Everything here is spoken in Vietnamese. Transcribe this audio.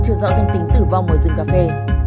chưa rõ danh tính tử vong ở rừng cà phê